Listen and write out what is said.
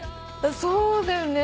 そうだよね。